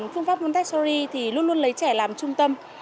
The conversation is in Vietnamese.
phương pháp untaxory thì luôn luôn lấy trẻ làm trung tâm